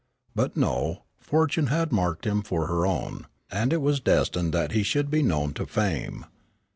But no, Fortune had marked him for her own, and it was destined that he should be known to fame.